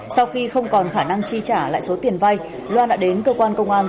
sau khi không còn khả năng chi trả lại số tiền vay loan đã đến cơ quan công an